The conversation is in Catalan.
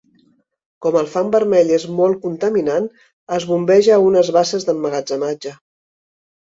Com el fang vermell és molt contaminant, es bombeja a unes basses d’emmagatzematge.